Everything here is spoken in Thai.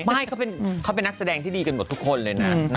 ไม่เขาเป็นนักแสดงที่ดีกันหมดทุกคนเลยนะ